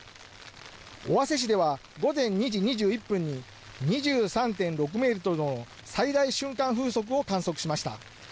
尾鷲市では午前２時２１分に２３．６メートルの最大瞬間風速を観測しました。